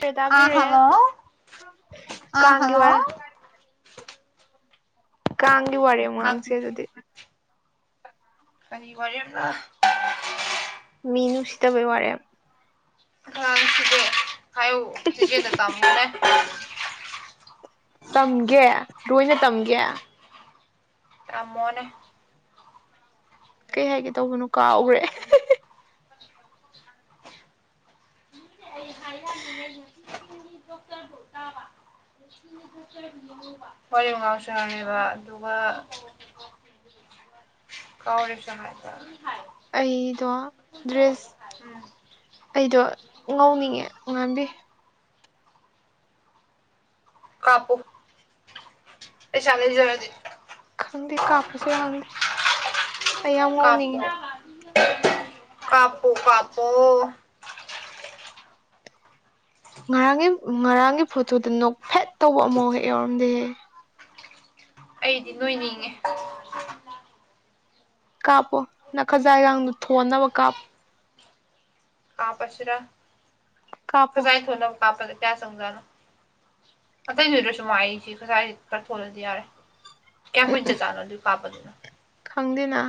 ꯀ ꯑꯥ ꯇꯥꯕꯤꯔꯦ ꯍꯜꯂꯣ ꯑꯥ ꯀꯥꯡꯒꯤ ꯋꯥ ꯍꯜꯂꯣ ꯀꯥꯡꯒꯤ ꯋꯥꯔꯦꯝ ꯉꯥꯡꯁꯦ ꯑꯗꯨꯗꯤ ꯀꯔꯤ ꯋꯔꯦꯝꯂ ꯃꯤ ꯅꯨꯡꯁꯤꯠꯇꯕꯩ ꯋꯥꯔꯦ ꯑ ꯁꯤꯗꯤꯦ ꯍꯥꯏꯌꯨ ꯆꯤꯆꯦꯗ ꯇꯝꯃꯅꯦ [unintelligible] ꯇꯝꯒꯦ ꯂꯣꯏꯅ ꯇꯝꯒꯦ ꯇꯝꯃꯣꯅꯦ ꯀꯩ ꯍꯥꯏꯒꯦ ꯇꯧꯕꯅꯣ ꯀꯥꯎꯈ꯭ꯔꯦ ꯅꯦꯖ ꯗꯣꯛꯇꯔ ꯗꯇꯥꯕ ꯋꯥꯔꯤ ꯃ ꯉꯥꯎꯁꯅꯦꯕ ꯑꯗꯨꯒ [unintelligible] ꯀꯧꯔꯤ ꯁꯥꯏꯗ ꯑꯩꯗꯣ ꯗ꯭ꯔꯦꯁ ꯑꯩꯗꯣ ꯉꯧꯅꯤꯡꯉꯦ ꯉꯥꯟꯕꯤ ꯀꯥꯄꯨ ꯆꯂꯦꯟꯖꯔꯗꯤ ꯈꯪꯗꯦ ꯀꯥꯞꯄꯁꯤꯔ ꯈꯪꯗꯦ ꯑꯩ ꯌꯥꯝ ꯉꯥꯎꯅꯤꯡꯉꯤ ꯀꯥꯄꯣ ꯀꯥꯄꯣ [unintelligible] ꯉꯔꯥꯡꯒꯤ ꯉꯔꯥꯡꯒꯤ ꯐꯣꯇꯣꯗ ꯅꯣꯛ ꯐꯦꯠ ꯇꯧꯕ ꯑꯃꯐꯥꯎ ꯍꯦꯛ ꯌꯥꯎꯔꯝꯗꯦꯍꯦ ꯑꯩꯗꯤ ꯅꯣꯏꯅꯤꯡꯉꯦ ꯀꯥꯞꯄꯣ ꯅ ꯈꯖꯥ ꯍꯒꯥꯡꯗꯣ ꯊꯣꯟꯅꯕ ꯀꯥꯞꯄꯣ ꯀꯥꯞꯄꯁꯤꯔ ꯀꯥꯞꯄꯣ ꯈꯖꯥ ꯊꯣꯟꯅꯕ ꯀꯥꯞꯄꯥ ꯀꯌꯥ ꯆꯪꯖꯅꯣ ꯑꯇꯩ ꯅꯣꯏꯗ꯭ꯔꯁꯨ ꯃꯁꯤ ꯉꯁꯥꯏ ꯈꯔ ꯊꯣꯜꯂꯗꯤ ꯌꯥꯔꯦ ꯀꯌꯥꯝ ꯀꯨꯏꯅ ꯆꯠ ꯆꯥꯅꯣ ꯑꯗꯨꯏ ꯀꯥꯞꯄꯗꯨꯅ ꯈꯪꯗꯦꯅ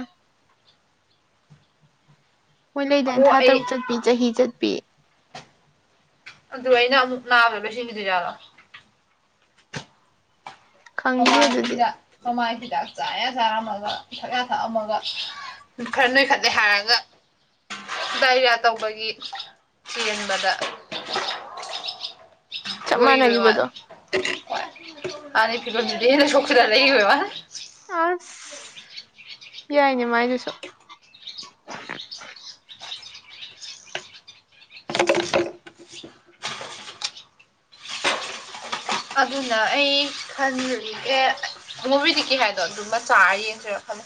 ꯃꯣꯏ ꯂꯩꯗꯅ ꯑꯃꯨꯛ ꯊꯥ ꯑꯩ ꯇꯔꯨꯛ ꯆꯠꯄꯤ ꯆꯍꯤ ꯆꯠꯄꯤ ꯑꯗꯨ ꯑꯩꯅ ꯑꯃꯨꯛ ꯅꯥꯕꯗ ꯂꯣꯢꯁꯤꯡꯗꯤꯗꯨ ꯖꯥꯠꯂꯣ ꯈꯪꯗꯦ ꯃꯃꯥꯏ ꯑꯗꯨꯗꯤ ꯍꯤꯗꯥꯛ ꯃꯃꯥꯏ ꯍꯤꯗꯥꯛ ꯆꯥꯔ ꯆꯥꯔꯝꯃꯒ ꯐ ꯊꯛꯑꯃꯒ ꯈꯔ ꯅꯣꯏꯈꯠꯂꯦ ꯍꯥꯏꯔꯒ ꯗꯥꯏꯔꯤꯌꯥ ꯇꯧꯕꯒꯤ ꯍꯤꯍꯟꯕꯗ ꯆꯞ ꯔꯣꯏꯔꯤꯕ ꯃꯥꯟꯅꯈꯤꯕꯗꯣ ꯋꯥꯔ ꯅꯤ ꯐꯤꯕ ꯆꯣꯈꯗꯥ ꯂꯩ [unintelligible] ꯑꯁ ꯌꯥꯏꯅꯦ ꯃꯥꯏꯗꯨꯁꯨ [unintelligible] ꯑꯗꯨꯅ ꯑꯩ ꯈꯟꯖꯔꯤꯒꯦ ꯅꯨꯕꯤꯗꯤ ꯀ ꯍꯥꯏꯗꯣ ꯑꯗꯨꯃ ꯆꯥꯔꯤ ꯌꯦꯡꯁꯤꯔꯛ ꯐꯅꯤ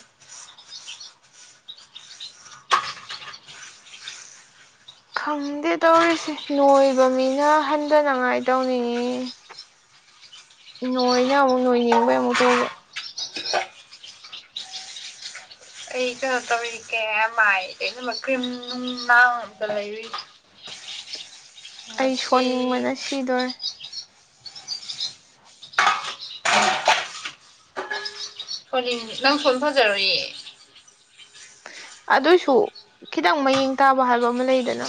ꯈꯪꯗꯦ ꯇꯧꯔꯤꯁꯦ ꯅꯣꯏꯕ ꯃꯤꯅ ꯍꯟꯊꯅꯉꯥꯏ ꯇꯧꯅꯤꯡꯉꯤ ꯅꯣꯏꯅ ꯑꯃꯨꯛ ꯅꯣꯏꯅꯤꯡꯕꯩ ꯑꯃꯨꯛ ꯇꯧꯕ ꯑꯩ ꯀꯩꯅꯣ ꯇꯧꯔꯤ ꯀꯦ ꯌꯥꯝ ꯃꯥꯏ ꯑꯩꯅꯃꯛ ꯀ꯭ꯔꯤꯝ ꯅꯨꯡ ꯅꯥꯗ ꯂꯩꯔꯤꯨ ꯑꯩ ꯁꯣꯟꯅꯤꯡꯕꯅ ꯁꯤꯗꯣꯔꯦ ꯐ ꯅꯪ ꯐꯣꯟ ꯐꯖꯔꯣ ꯏꯌꯦ ꯑꯗꯨꯁꯨ ꯈꯤꯇꯪ ꯃꯌꯦꯡ ꯇꯥꯕ ꯍꯥꯏꯕ ꯑꯃ ꯂꯩꯗꯅ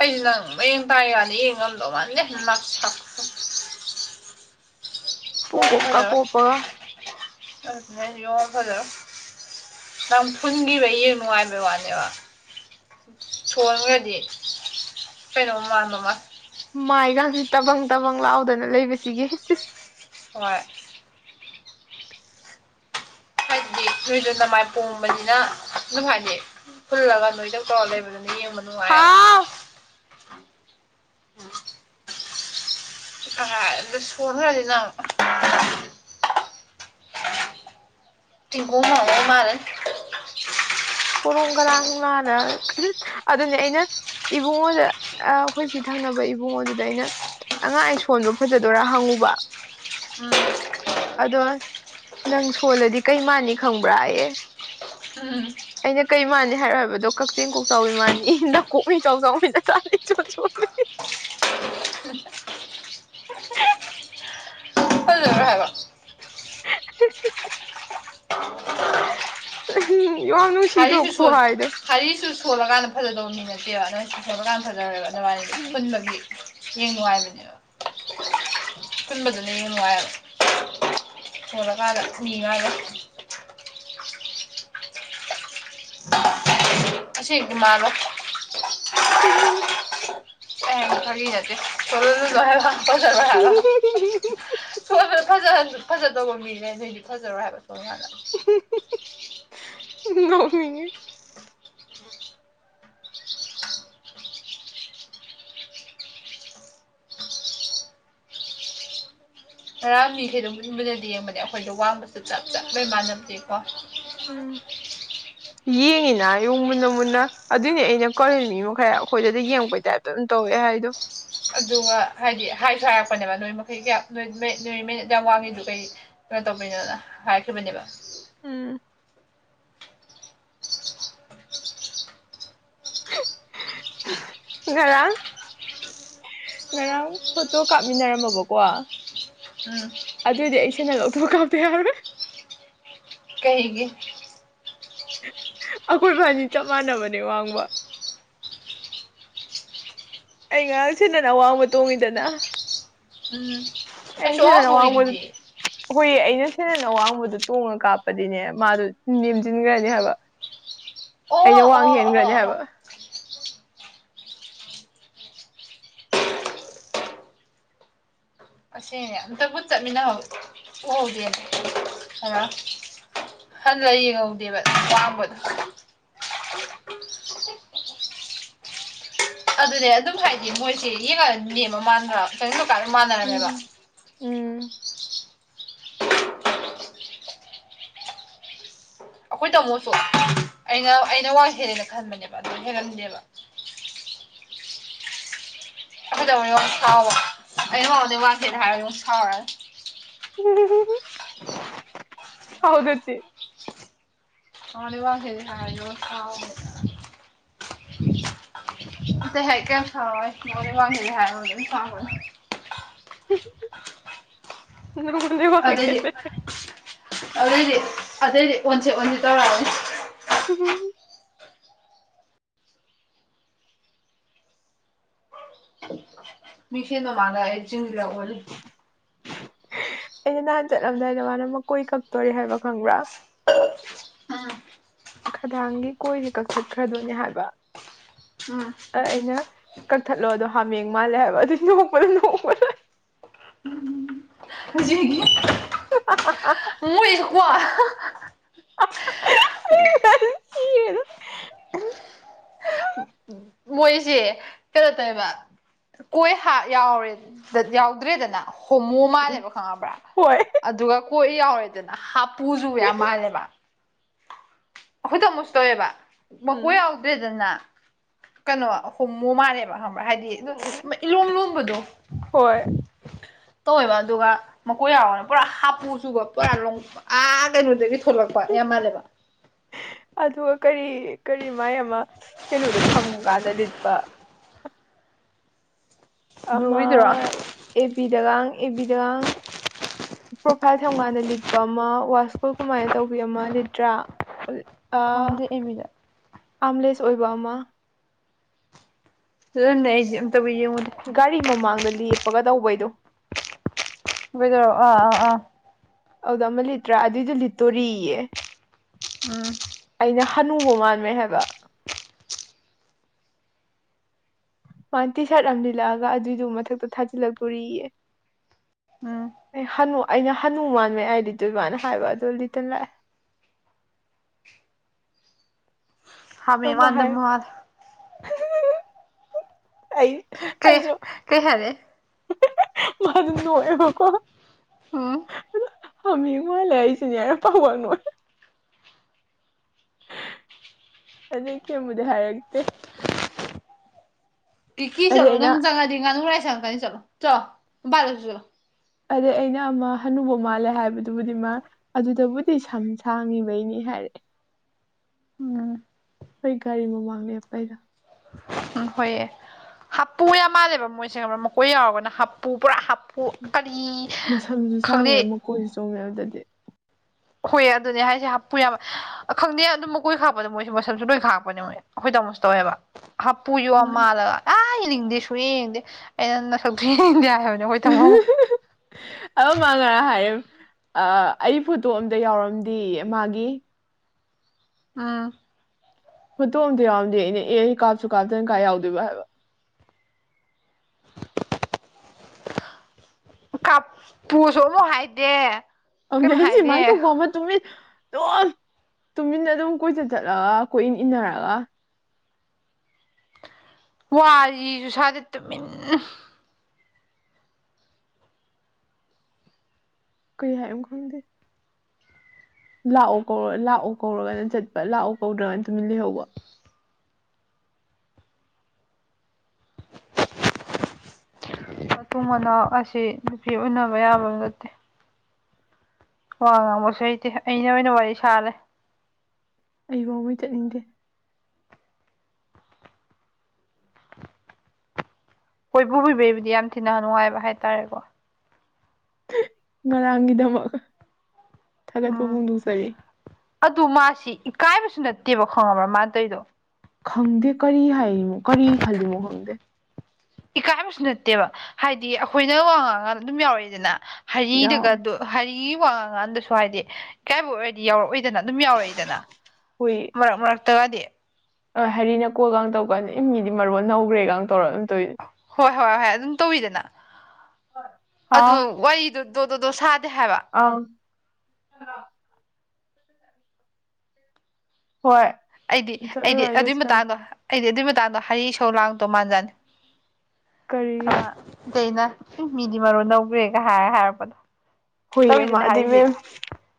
ꯑꯩ ꯅꯪ ꯃꯌꯦꯡ ꯇꯥꯏ ꯀꯅꯤ ꯌꯦꯡ ꯉꯝꯗꯧ ꯃꯥꯜꯗꯦ ꯅꯛꯁꯛ ꯌꯗ ꯑꯗꯨ ꯄꯨꯡꯀꯣꯞꯀ ꯀꯣꯞꯄꯒ ꯌ ꯈꯔ [unintelligible] ꯅꯝ ꯐꯨꯟꯒꯤꯈꯤꯕ ꯌꯦ ꯅꯨꯡꯉꯥꯏꯕ ꯋꯥꯅꯦꯕ ꯁꯣꯟꯒꯗꯤ ꯀꯩꯅꯣꯝ ꯃꯥꯟꯕꯃ ꯃꯥꯏꯒꯥꯡꯁꯤ ꯇꯕꯪ ꯇꯕꯪ ꯂꯥꯎꯗꯅ ꯂꯩꯕꯁꯤꯒꯤ ꯍꯣꯏ ꯍꯥꯏꯗꯤ ꯅꯣꯏꯁꯨ ꯅꯃꯥꯏ ꯄꯣꯝꯕꯅꯤꯅ ꯅꯨꯡꯉꯥꯏꯅꯩ ꯐꯨꯜꯂꯒ ꯅꯣꯏꯗꯧ ꯇꯧꯔꯒ ꯂꯩꯕꯗꯨꯅ ꯌꯦꯡꯕ ꯅꯨꯡꯉꯥꯏꯌꯦꯕ ꯍꯥꯎ ꯀ ꯁꯣꯟ ꯍ ꯍꯥꯏꯖꯝ ꯇꯤꯡꯒꯣ ꯃꯑꯣꯣ ꯃꯥꯔ ꯀꯣꯔꯣꯡ ꯀꯔꯥꯡ ꯂꯥꯟꯅ ꯑꯗꯨꯅꯦ ꯑꯩꯅ ꯏꯕꯨꯡꯉꯣꯗ ꯑꯩꯈꯣꯏ ꯁꯤ ꯊꯪꯅꯕ ꯏꯕꯨꯡꯉꯣꯗꯨꯗ ꯑꯩꯅ ꯑꯉꯥꯡ ꯁꯣꯟꯕ ꯐꯖꯗꯣꯏꯔꯥ ꯍꯪꯉꯨꯕ ꯎꯝ ꯑꯗꯣ ꯅꯪ ꯁꯣꯜꯂꯗꯤ ꯀꯩ ꯃꯥꯥꯟꯅꯤ ꯈꯪꯕ꯭ꯔꯥ ꯎꯝ ꯑꯩꯅ ꯀꯩ ꯃꯥꯥꯟꯅꯤ ꯍꯥꯏꯔꯣ ꯍꯥꯏꯕꯗꯣ ꯀꯛꯆꯤꯡ ꯀꯣꯛꯆꯥꯎꯕꯤ ꯃꯥꯥꯟꯅꯤ ꯅꯅꯥꯀꯣꯛꯅꯤ ꯏꯆ ꯆꯥꯎꯥꯎꯉꯅ ꯆ ꯆꯣꯂ ꯎꯝ ꯍꯖ ꯍꯥꯏꯕꯣ ꯎꯝ ꯌ ꯋꯥꯅ ꯍꯁꯨ ꯁ ꯍꯔꯤꯁꯨ ꯁꯣꯜꯂꯀꯥꯟꯗ ꯐꯖꯗꯧꯅꯤ ꯅꯠꯇꯦꯕ ꯅ ꯁꯣꯜꯂꯀꯥꯟꯗ ꯐꯖꯔꯣꯏꯦꯕ ꯉꯥꯏ ꯄꯨꯟꯕꯒꯤ ꯌꯦꯡ ꯅꯨꯡꯉꯥꯏꯕꯅꯦꯕ ꯄꯨꯟꯕꯗꯨꯅ ꯌꯥꯝ ꯅꯨꯡꯉꯥꯏꯌꯦꯕ ꯊꯣꯜꯂꯀꯥꯟꯗ ꯅꯤꯉꯥꯏꯒ ꯑꯁꯤꯁ ꯃꯥꯔ ꯎꯝ ꯑꯦꯊ ꯍꯥꯏꯗꯤꯦ ꯁ ꯂꯕ ꯄꯖ ꯍꯥꯏꯕ ꯐꯖꯍꯟꯁꯨ ꯐꯖꯗꯧꯕ ꯃꯤꯅꯦ ꯅꯣꯏꯗꯤ ꯐꯖꯔꯣꯏ ꯍꯥꯏꯕ ꯁꯣ ꯅꯉꯜꯂ ꯅꯃꯤꯉ ꯇꯔꯥ ꯃꯤꯈꯩꯗꯣ ꯃꯟꯕꯟꯅꯗꯤ ꯌꯦꯡꯕꯗ ꯑꯩꯈꯣꯏꯗꯣ ꯋꯥꯡꯕꯁꯨ ꯆꯞ ꯆꯞ ꯂꯩꯩ ꯃꯥꯟꯅꯗꯦꯀꯣ ꯎꯝ ꯌꯦꯡꯉꯤꯅ ꯌꯨ ꯃꯨꯟꯅ ꯃꯨꯟꯅ ꯑꯗꯨꯏꯅꯦ ꯑꯩꯅ ꯀꯧꯔꯏ ꯃꯤ ꯃꯈꯩ ꯑꯩꯈꯣꯏꯗꯗꯤ ꯌꯦꯡꯉꯛꯄꯩꯇꯥꯥꯏ ꯇꯧꯋꯦ ꯍꯥꯏꯣ ꯑꯗꯨꯒ ꯍꯥꯏꯗꯤ ꯍꯥꯏꯁꯨ ꯍꯥꯏꯔꯛꯄꯅꯦꯕ ꯅꯣꯏ ꯃꯈꯩ ꯀ ꯅꯣꯏ ꯅꯣꯏꯃꯩꯅ ꯌꯥꯝ ꯋꯥꯡꯉꯤꯗꯨ ꯀꯩ ꯀꯩꯅꯣ ꯇꯧꯕꯤꯅꯣꯅ ꯍꯥꯏꯈꯤꯕꯅꯦꯕ ꯎꯝ ꯉꯔꯥꯡ ꯉꯔꯥꯡ ꯐꯣꯇꯣ ꯀꯥꯞꯃꯤꯟꯅꯔꯝꯃꯕꯀꯣ ꯎꯝ ꯑꯗꯨꯑꯣꯏꯗꯤ ꯑꯩ ꯁꯤꯦꯅ ꯂꯧꯊꯣꯛꯕ ꯀꯥꯞꯇ ꯌꯥꯔꯣꯏ ꯀꯩꯒꯤ ꯑꯩꯈꯣꯏꯕꯥꯅꯤ ꯆꯞ ꯃꯥꯟꯅꯕꯅꯦ ꯋꯥꯡꯕ ꯑꯩ ꯉꯔꯥꯡ ꯁꯤꯦꯗꯅ ꯑꯋꯥꯡꯕ ꯇꯣꯡꯉꯤꯗꯅ ꯎꯝ ꯑꯩꯁꯨ ꯑꯦꯖꯗꯅ ꯋꯥꯉꯕꯣꯗ ꯑꯋꯥꯕꯒꯤꯗꯨꯗꯤ ꯑꯩꯈꯣꯏꯒꯤ ꯑꯩꯅ ꯁꯦꯗꯅ ꯑꯋꯥꯡꯕꯗꯨ ꯇꯣꯡꯉ ꯀꯥꯞꯄꯗꯤꯅꯦ ꯃꯥꯗꯣ ꯅꯦꯝꯁꯤꯟꯈ꯭ꯔꯅꯤ ꯍꯥꯏꯕ ꯑꯣ ꯑꯩꯅ ꯑꯣ ꯋꯥꯡ ꯍꯦꯟꯈ꯭ꯔꯅꯤ ꯑꯣ ꯍꯥꯏꯕ ꯑꯣ ꯑꯁꯦꯡꯅꯦ ꯑꯝꯇ ꯄꯨꯠ ꯆꯠꯃꯤꯟꯅꯍ ꯎꯍꯧꯗꯦꯅꯦ ꯈꯔꯣ ꯍꯟ ꯌꯦꯡꯍꯧꯗꯦꯕ ꯑꯥꯡꯕꯗꯣ ꯑꯗꯨꯅꯦ ꯑꯗꯨꯝ ꯍꯥꯏꯗꯤ ꯃꯣꯏꯁꯦ ꯌꯦꯡꯉꯅꯦꯦꯝꯃ ꯃꯥꯟꯈ꯭ꯔ ꯆꯪꯅꯤꯡꯕ ꯀꯀꯥꯟꯗ ꯃꯥꯟꯅꯔꯝꯃꯦꯕ ꯎꯝ ꯎꯝ ꯑꯩꯈꯣꯏ ꯇꯥꯃꯣꯁꯨ ꯑꯩꯅ ꯑꯩꯅ ꯋꯥ ꯍꯦꯜꯂꯦꯅ ꯈꯟꯕꯅꯦꯕ ꯑꯗꯨ ꯍꯦꯜꯒꯅꯦꯕ ꯀꯩꯗꯧꯅꯤ ꯌꯥꯝ ꯁꯥꯎꯕ ꯑꯩ ꯍꯥꯎꯗꯩ ꯋꯥꯡꯁꯤꯦꯗ ꯍꯥꯏꯔꯒ ꯑꯗꯨ ꯁꯥꯎꯔꯒꯦ ꯎꯝ ꯍꯥꯎꯗꯦ ꯍ ꯂꯩ ꯋꯥ ꯍꯦꯗꯤ ꯍꯥꯏ ꯌ ꯊ ꯍ ꯀ ꯊꯣꯏ ꯃꯗꯤ ꯋꯥꯂꯤ ꯍꯥꯏ ꯊꯥꯡꯉ ꯊ ꯑꯗꯨꯗꯩꯗꯤ ꯑꯗꯨꯑꯣꯏꯗꯤ ꯑꯗꯨꯩꯗꯤ ꯑꯣꯟꯁꯤ ꯑꯣꯟꯁꯤꯦ ꯇꯧꯔꯛꯑꯅꯤ ꯎꯝ [unintelligible] ꯃꯤꯁꯤꯅꯣ ꯃꯥꯔ ꯍꯥꯏ ꯆꯤꯡ ꯌꯥꯒꯣꯂꯤ ꯑꯩꯅ ꯅꯍꯥꯟ ꯆꯠꯂꯝꯗꯥꯏꯗ ꯃꯥꯅ ꯃꯀꯣꯏ ꯀꯛꯇꯣꯔꯦ ꯍꯥꯏꯕ ꯈꯪꯕ꯭ꯔꯥ ꯎꯝ ꯈꯗꯥꯥꯡꯒꯤ ꯀꯣꯏꯁꯦ ꯀꯛꯊꯠꯈ꯭ꯔꯗꯣꯏꯅꯦ ꯍꯥꯏꯕ ꯎꯝ ꯑ ꯑꯩꯅ ꯀꯛꯊꯠꯂꯣꯗꯣ ꯍꯥꯃꯦꯡ ꯃꯥꯜꯂꯦ ꯍꯥꯏꯕ ꯑꯗꯨ ꯅꯣꯛꯄꯗ ꯅꯣꯛꯄꯅ ꯎꯝ ꯎꯝ ꯖꯤꯒꯤ [unintelligible] ꯃꯣꯏ [unintelligible] ꯁꯤꯔꯦꯗ ꯃꯣꯏꯁꯦ ꯀꯩꯅꯣ ꯇꯧꯕ ꯀꯣꯏ ꯌꯥꯎꯗ꯭ꯔꯦꯗꯅ ꯍꯣꯃꯣ ꯎꯝ ꯃꯥꯜꯂꯦꯕ ꯈꯪꯉꯕ꯭ꯔꯥ ꯍꯣꯏ ꯑꯗꯨꯒ ꯀꯣꯏ ꯌꯥꯎꯔꯦꯗꯅ ꯍꯥꯄꯨꯁꯨꯕ ꯌꯥꯝ ꯃꯥꯜꯂꯦꯕ ꯈꯨꯗ ꯃꯨꯁ ꯇꯧꯑꯦꯕ ꯎꯝ ꯃꯀꯣꯏ ꯌꯥꯎꯗ꯭ꯔꯦꯗꯅ ꯀꯩꯅꯣ ꯍꯣꯡꯃꯨ ꯃꯥꯜꯂꯦꯕ ꯈꯪꯕ꯭ꯔꯥ ꯍꯥꯏꯗꯤ ꯎꯝ ꯑ ꯏꯂꯣꯝ ꯂꯣꯝꯕꯗꯣ ꯍꯣꯏ ꯇꯧꯋꯦꯕ ꯑꯗꯨꯒ ꯃꯈꯀꯣꯏ ꯌꯥꯎꯔꯅ ꯄꯨꯔꯥ ꯍꯥꯞꯄꯨ ꯆꯨꯒ ꯄꯨꯔꯥ ꯑꯥ ꯀꯩꯅꯣꯗꯒꯤ ꯊꯣꯛꯂꯛꯄ ꯌꯥꯝ ꯃꯥꯜꯂꯦꯕ ꯑꯗꯨꯑ ꯀꯔꯤ ꯀꯔꯤ ꯃꯥꯏ ꯑꯃ ꯀꯩꯅꯣꯗꯥ ꯊꯝꯒꯥꯟꯗ ꯂꯤꯠꯄ ꯑꯃ ꯕ꯭ꯂꯨꯒꯤꯗꯨꯔꯣ ꯑꯦꯄꯤꯗꯒꯥꯡ ꯑꯦꯕꯤꯗꯒꯥꯡ ꯄ꯭ꯔꯣꯐꯥꯏꯜ ꯊꯝꯒꯥꯟꯗ ꯂꯤꯠꯄ ꯑꯃ ꯋꯥꯁꯀꯨꯜ ꯀꯨꯃꯥꯏꯟ ꯇꯧꯕꯤ ꯑꯃ ꯂꯤꯠꯇ꯭ꯔꯥ ꯑ ꯈꯪꯗꯦ ꯑꯦꯕꯤꯗ ꯑꯥꯝꯂꯦꯁ ꯑꯣꯏꯕ ꯑꯃ ꯂꯅꯦ ꯑꯩꯁꯦ ꯑꯝꯇꯕꯨ ꯌꯦꯡꯉꯨꯅꯦ ꯒꯥꯔꯤ ꯃꯃꯥꯡꯗ ꯂꯦꯞꯄꯒ ꯇꯧꯕꯩꯗꯣ ꯑꯣꯏꯗꯔꯣꯑꯣ ꯑꯥ ꯑꯥ ꯑꯗꯨꯗ ꯑꯃ ꯂꯤꯠꯇ꯭ꯔꯥ ꯑꯗꯨꯏꯗꯣ ꯂꯤꯠꯇꯣꯔꯤꯌꯦ ꯎꯝ ꯑꯩꯅ ꯍꯅꯨꯕ ꯃꯥꯟꯕꯃꯦ ꯍꯥꯏꯕ ꯋꯥꯟꯇꯤꯁꯠ ꯑꯝ ꯂꯤꯜꯂꯛꯑꯒ ꯑꯗꯨꯏꯗꯨ ꯃꯊꯛꯇ ꯊꯥꯖꯤꯜꯂꯛꯇꯣꯔꯤꯌꯦ ꯎꯝ ꯑꯦ ꯍꯅꯨ ꯑꯩꯅ ꯍꯅꯨ ꯃꯥꯟꯃꯩ ꯑꯥꯏ ꯂꯤꯇꯣꯏꯕꯥꯅ ꯍꯥꯏꯕ ꯑꯗꯨ ꯂꯤꯇꯟ ꯂꯥꯛꯑꯦ ꯍꯥꯃꯦ ꯑꯃ ꯃꯥꯟꯗ ꯍꯥꯏ ꯃꯥꯜꯂꯦ ꯑꯩ ꯀꯩ ꯑꯩꯖꯨ ꯀꯩ ꯍꯥꯏꯔꯛꯑꯦ ꯍꯍꯦꯍꯦ ꯃꯥꯗꯨ ꯅꯣꯛꯑꯦꯕꯀꯣ ꯎꯝ ꯍꯥꯃꯤꯡ ꯃꯥꯜ ꯂꯩ ꯑꯩꯁꯤꯅꯦꯔ ꯐꯥꯎꯕꯥꯜꯅꯣꯏ ꯑꯗꯩ ꯀꯌꯦꯝ ꯕꯨꯗꯤ ꯍꯥꯏꯛꯇꯦ ꯇꯤꯀꯤ ꯑꯗꯩ ꯆꯠꯂꯣ ꯑꯩꯅ ꯅꯪ ꯆꯪꯉꯗꯤ ꯉꯥꯅꯨꯔꯥꯏ ꯆꯪꯀꯅꯤ ꯆꯠꯂꯣ ꯆꯂꯣ ꯃꯕꯥꯜꯂꯩꯔꯨꯆꯣ ꯆꯂꯣ ꯑꯗꯨ ꯑꯩꯅ ꯑꯃ ꯍꯅꯨꯕ ꯃꯥꯜꯂꯦ ꯍꯥꯏꯕꯗꯨꯕꯨꯗꯤ ꯃꯥ ꯑꯗꯨꯗ ꯕꯨꯠ ꯗꯤ ꯁꯝ ꯁꯥꯡꯉꯤꯕꯩꯅꯤ ꯍꯥꯏꯔꯦ ꯎꯝ ꯑꯩ ꯒꯥꯔꯤ ꯃꯃꯥꯡ ꯂꯦꯞꯄꯩꯗꯣ ꯎꯝ ꯍꯣꯏꯌꯦ ꯍꯥꯞꯄꯨ ꯌꯥꯝ ꯃꯥꯜꯂꯦꯕ ꯃꯣꯏꯁꯦ ꯈꯪꯕꯔꯥ ꯃꯀꯣꯏ ꯌꯥꯎꯔꯒꯅ ꯍꯥꯞꯄꯨ ꯄꯨꯔꯥ ꯍꯥꯞꯄ ꯄꯨ ꯀꯔꯤ ꯈꯪꯗꯦ ꯀꯣꯏ ꯆꯣꯡꯉꯦ ꯑꯧꯗꯗꯤ ꯍꯣꯏ ꯑꯗꯨꯅꯦ ꯍꯥꯏꯁꯦ ꯍꯥꯞꯄꯨ ꯌꯥꯕ ꯑ ꯈꯪꯗꯦ ꯑꯗꯨꯝ ꯃꯀꯣꯏ ꯈꯥꯛꯄꯗ ꯃꯣꯏꯁꯨ ꯃꯁꯝꯁꯨ ꯂꯣꯏ ꯈꯥꯛꯄꯅꯦ ꯃꯣꯏ ꯑꯈꯣꯏ ꯇꯥꯝꯃꯣꯁꯨ ꯇꯧꯋꯦꯍꯕ ꯍꯥꯞꯄꯨ ꯌꯣ ꯍꯣꯏ ꯃꯥꯜꯂꯒ ꯑꯗꯥ ꯌꯦꯅꯤꯡꯗꯦ ꯁꯨꯌꯦ ꯌꯦꯡꯅꯤꯡꯗꯦ ꯑꯩꯅ ꯅꯁꯛꯇꯨ ꯌꯦꯡꯅꯤꯡꯗꯦ ꯍꯥꯏꯕꯟ ꯍꯨꯍꯨꯍꯨ ꯑꯧꯒ ꯃꯥ ꯉꯔꯥ ꯍꯥꯏꯔꯤꯝ ꯑ ꯑꯩ ꯐꯣꯇꯣ ꯑꯝꯗ ꯌꯥꯎꯔꯝꯗꯤꯌꯦ ꯃꯥꯒꯤ ꯑꯝ ꯐꯨꯠꯇꯣ ꯑꯝꯇ ꯌꯥꯎꯔꯗꯦ ꯑꯩꯅ ꯑꯦꯌꯩ ꯀꯥꯞꯁꯨ ꯀꯥꯞꯇꯟ ꯀꯥꯏ ꯌꯥꯎꯗꯣꯏꯕꯥ ꯍꯥꯏꯕ ꯀꯥꯞ ꯄꯨꯁꯨ ꯑꯃꯨꯛ ꯍꯥꯏꯗꯦ ꯑꯧꯅꯦ ꯀꯩꯝ ꯍꯥꯏꯁꯤ ꯃꯥꯏ ꯍꯥꯏꯗꯦ ꯊꯣꯛꯄ ꯑꯃꯠ ꯇꯨꯃꯤꯟ ꯗꯨꯝ ꯇꯨꯃꯤꯟ ꯑꯗꯨꯝ ꯀꯣꯏꯆꯠ ꯆꯠꯂꯒ ꯀꯣꯏ ꯏꯟ ꯏꯟꯅꯔꯒꯥ ꯋꯥꯔꯤꯖꯨ ꯏꯁꯥꯗꯤ ꯇꯨꯃꯤꯟ ꯀꯩ ꯍꯥꯏꯕꯅꯣ ꯈꯪꯗꯦ ꯂꯥꯛꯑꯣ ꯀꯧ ꯂꯥꯛꯑꯣ ꯀꯧꯔꯒꯅ ꯆꯠꯄ ꯂꯥꯛꯑꯣ ꯀꯧꯗ꯭ꯔꯒꯅꯥ ꯇꯨꯃꯤꯟ ꯂꯩꯍꯧꯕ ꯍꯤ ꯃꯇꯨꯡ ꯃꯅꯥꯎ ꯑꯁꯤ ꯅꯨꯄꯤ ꯎꯅꯕ ꯌꯥꯕ ꯅꯠꯇꯦ ꯋꯥ ꯉꯥꯡꯕꯁꯨ ꯍꯩꯇꯦ ꯑꯩꯅ ꯑꯣꯏꯅ ꯋꯥꯔꯤ ꯁꯥꯔ ꯂꯩ ꯑꯩ ꯕꯥꯎꯃꯩ ꯆꯠꯅꯤꯡꯗꯦ ꯀꯣꯏ ꯄꯨꯕꯤꯕꯩꯕꯨꯗꯤ ꯌꯥꯝ ꯊꯤꯅ ꯅꯨꯡꯉꯥꯏꯕ ꯍꯥꯏꯇꯥꯔꯦꯀꯣ ꯉꯔꯥꯡꯒꯤꯗꯃꯛ ꯊꯥꯒꯠꯄ ꯎꯝ ꯐꯣꯡꯗꯣꯛꯆꯔꯤ ꯑꯗꯨ ꯃꯥꯁꯤ ꯏꯀꯥꯏꯕꯁꯨ ꯅꯠꯇꯦꯕ ꯈꯪꯉꯕ꯭ꯔ ꯃꯥꯅꯥ ꯇꯩꯔꯤꯗꯣ ꯈꯪꯗꯦ ꯀꯔꯤ ꯍꯥꯏꯔꯤꯃꯣ ꯀꯔꯤ ꯈꯜꯂꯤꯃꯣ ꯈꯪꯗꯦ ꯏꯀꯥꯏꯕꯁꯨ ꯅꯠꯇꯦꯕ ꯍꯥꯏꯗꯤ ꯑꯈꯣꯏꯅ ꯋꯥ ꯉꯥꯡꯒꯥꯟ ꯑꯗꯨꯝ ꯌꯥꯎꯔꯏꯗꯅ ꯍꯔꯤꯗꯒ ꯌꯥꯎꯋꯦ ꯑꯗꯣ ꯍꯥꯏ ꯋꯥꯉꯥꯡ ꯀꯥꯟꯗꯁꯨ ꯍꯥꯏꯗꯤ ꯏꯀꯥꯏꯕ ꯑꯣꯏꯔꯗꯤ ꯌꯥꯎꯔꯛꯑꯣꯏꯗꯅ ꯑꯗꯨꯝ ꯌꯥꯎꯔꯛꯏ ꯗꯅ ꯃꯔꯛ ꯃꯔꯛꯇꯒꯗꯤ꯫ ꯑ ꯍ ꯍꯥꯏꯔꯤꯅ ꯀꯣꯒ ꯇꯧꯀꯥꯟꯅꯤ ꯏ ꯃꯤꯗꯤ ꯃꯔꯨꯣꯟ ꯅꯧꯈ꯭ꯔꯦꯒ ꯇꯧꯔ ꯑꯗꯨꯝ ꯇꯧꯏ꯫ ꯍꯣꯏ ꯍꯣꯏ ꯍꯣꯏ ꯑꯗꯨꯝ ꯇꯧꯋꯤꯗꯅ ꯑꯗꯨ ꯍꯥꯎ ꯋꯥꯔꯤꯗꯣ꯫ ꯇꯣꯗꯣꯗꯣ ꯁꯥꯗꯦ ꯍꯥꯏꯕ꯫ ꯑꯧ꯫ ꯍꯣꯏ꯫ ꯑꯩꯗꯤ ꯑꯩꯗꯤ ꯆꯠꯂꯨꯔꯣꯏ ꯑꯗꯨꯏ ꯂꯣꯏꯁꯤꯜꯂꯒꯦ ꯃꯇꯥꯡꯗꯣ ꯑꯩꯗꯤ ꯑꯗꯨꯏ ꯃꯇꯥꯡꯗꯣ ꯍꯔꯤ ꯁꯧ ꯂꯥꯡꯗꯣ ꯃꯥꯟꯖꯥꯅꯤ꯫ ꯀꯔꯤꯒꯤ ꯀꯩꯅ ꯑꯝ ꯃꯤꯗꯤ ꯃꯔꯣꯟ ꯅꯩꯒꯔꯦꯒ ꯍꯥꯏꯔ ꯍꯥꯏꯔꯛꯄꯗꯣ ꯍꯨꯏ ꯑꯃ ꯇꯧꯔꯤꯗꯨꯅ ꯑꯗꯩ ꯍꯥꯏꯔꯤꯖꯤ ꯃꯦꯝ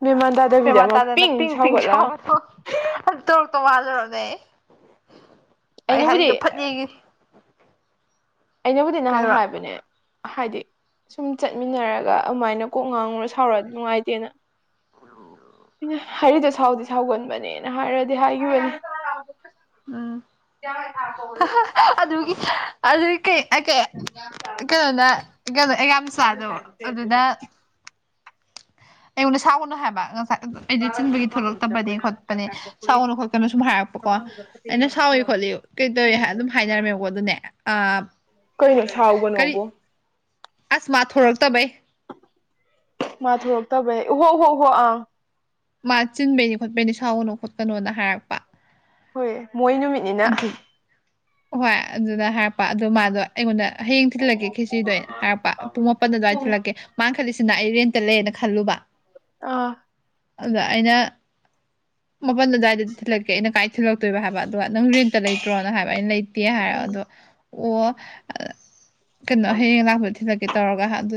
ꯃꯦꯝꯃꯥꯟ ꯇꯥꯗꯕꯤꯗ ꯃꯦꯃꯥꯟ ꯑꯃ ꯇꯥꯗꯅ ꯄꯤꯡ ꯄꯤꯡ ꯁꯥꯎꯒꯠꯂ ꯁꯥꯎꯔꯇꯣ ꯐꯝ ꯇꯧꯔꯛꯇꯣ ꯋꯥꯂꯨꯔꯝꯅꯦ ꯑꯩ ꯑꯩ ꯑꯩꯅꯕꯨꯗꯤ ꯍꯥꯔꯤꯗ ꯐꯠ ꯌꯦꯡꯉꯤꯟ ꯑꯩꯅꯕꯨꯗꯤ ꯅꯍꯥꯟ ꯀꯩꯗꯧꯕ ꯍꯥꯏꯕꯅꯦ ꯍꯥꯏꯗꯤ ꯁꯨꯝ ꯆꯠꯃꯤꯟꯅꯔꯒ ꯑꯃꯥꯏꯅ ꯀꯣꯛ ꯉꯥꯡꯉꯨꯔ ꯁꯥꯎꯔꯛ ꯅꯨꯡꯉꯥꯏꯇꯦꯅ ꯍꯔꯤꯗ ꯁꯥꯎꯗꯤ ꯁꯥꯎꯒꯟꯕꯅꯦꯅ ꯍꯥꯏꯔꯗꯤ ꯍꯥꯏꯒꯤꯕꯅꯤ ꯎꯝ ꯍꯥꯍꯥ ꯑꯗꯨꯒꯤ ꯑꯗꯨ ꯀꯩꯅꯣꯅ ꯀꯩꯅꯣ ꯑꯦꯌꯥꯝꯆꯥꯗꯣ ꯑꯗꯨꯗ꯫ ꯑꯩꯉꯣꯟꯗ ꯁꯥꯥꯎꯒꯅꯨ ꯍꯥꯏꯕ ꯉꯁꯥꯏ꯫ ꯑꯩꯗꯤ ꯆꯤꯟꯕꯒꯤ ꯊꯣꯛꯂꯛꯇꯕꯅꯤ ꯈꯣꯠꯄꯅꯦ ꯁꯥꯎꯒꯅꯨ ꯈꯣꯠꯀꯅ ꯁꯨꯝ ꯍꯥꯏꯔꯛꯄꯀꯣ ꯑꯩꯅ ꯁꯥꯎꯏ ꯈꯣꯠꯂꯤ꯫ ꯀꯩ ꯇꯧꯋꯦ ꯑꯗꯨꯝ ꯍꯥꯏꯅꯔꯝꯃꯦꯕꯀꯣ ꯑꯗꯨꯅꯦ ꯑ꯫ ꯀꯩꯅꯣ ꯀꯔꯤ ꯁꯥꯎꯒꯅꯣꯕꯨ ꯫ ꯑꯁ ꯃꯥ ꯊꯣꯔꯛꯇꯕꯩ꯫ ꯃꯥ ꯊꯣꯔꯛꯇꯕꯩ ꯍꯣ ꯍꯣ ꯍꯣ ꯑ꯫ ꯃꯥ ꯆꯤꯟꯕꯩꯅꯤ ꯈꯣꯠꯄꯩꯅꯤ ꯁꯥꯎꯒꯅꯨ ꯈꯣꯠꯀꯅꯣꯅ ꯍꯥꯏꯔꯛꯄ꯫ ꯍꯣꯏ ꯃꯣꯏ ꯅꯨ꯫ ꯑꯗꯨ ꯍꯣꯏ ꯑꯗꯨꯅ ꯍꯥꯏꯔꯛꯄ ꯑꯗꯨ ꯃꯥꯗꯣ꯫ ꯑꯩꯉꯣꯟꯗ ꯍꯌꯦꯡ ꯊꯤꯜꯂꯒꯦ ꯈꯦꯆꯤꯗꯣ ꯑꯩꯅ ꯍꯥꯏꯔꯛꯄ꯫ ꯄꯨꯡ ꯃꯥꯄꯟ ꯑꯗꯨꯋꯥꯏ ꯎꯝ ꯊꯤꯂꯛꯀꯦ ꯃꯥꯅꯥ ꯈꯠꯂꯤꯁꯤꯅ ꯑꯩ ꯔꯦꯟꯇ ꯂꯩꯅ ꯈꯜꯂꯨꯕ꯫ ꯑꯥ꯫ ꯑꯗ ꯑꯩꯅ ꯃꯄꯜ ꯑꯗꯨꯋꯥꯏꯗꯗꯤ ꯊꯤꯜꯂꯛꯀꯦ ꯑꯩꯅ ꯀꯥꯏ ꯊꯤꯜꯂꯛꯇꯣꯏꯕ ꯍꯥꯏꯕ꯫ ꯑꯗꯨꯒ ꯅꯪ ꯔꯦꯟꯇ ꯂꯩꯇ꯭ꯔꯣꯅ ꯍꯥꯏꯕ ꯑꯩꯅ ꯂꯩꯇꯦ ꯍꯥꯏꯔ ꯎꯝ ꯑꯗꯣ ꯑꯣ꯫ ꯀꯩꯅꯣ ꯍꯌꯦꯡ ꯂꯥꯛꯄꯗ ꯊꯤꯜꯂꯛꯀꯦ ꯇꯧꯔꯒ ꯑꯗꯨ꯫